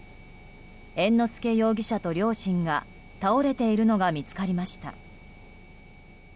猿之助容疑者と両親が倒れているのが見つかりました。